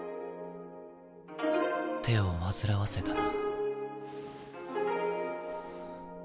手を煩わせたな。